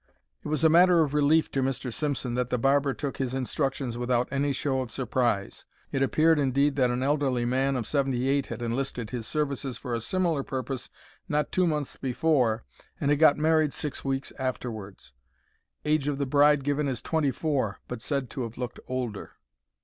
It was a matter of relief to Mr. Simpson that the barber took his instructions without any show of surprise. It appeared, indeed, that an elderly man of seventy eight had enlisted his services for a similar purpose not two months before, and had got married six weeks afterwards. Age of the bride given as twenty four, but said to have looked older.